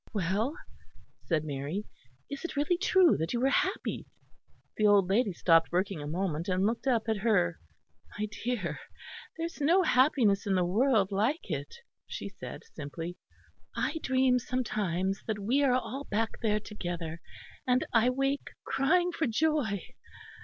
"Well," said Mary, "is it really true that you were happy?" The old lady stopped working a moment and looked up at her. "My dear, there is no happiness in the world like it," she said simply. "I dream sometimes that we are all back there together, and I wake crying for joy.